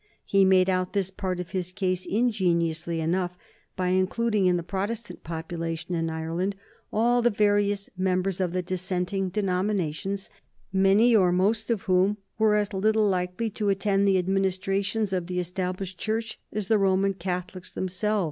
He made out this part of his case ingeniously enough by including in the Protestant population in Ireland all the various members of the dissenting denominations, many or most of whom were as little likely to attend the administrations of the Established Church as the Roman Catholics themselves.